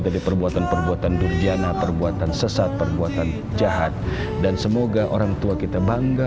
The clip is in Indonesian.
dari perbuatan perbuatan durjana perbuatan sesat perbuatan jahat dan semoga orang tua kita bangga